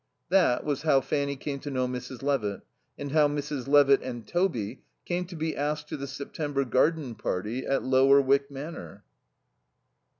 That was how Fanny came to know Mrs. Levitt, and how Mrs. Levitt (and Toby) came to be asked to the September garden party at Lower Wyck Manor.